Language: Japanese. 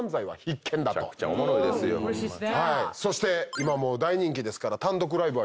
今もう大人気ですから。